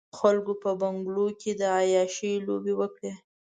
خلکو په بنګلو کې د عياشۍ لوبې وکړې.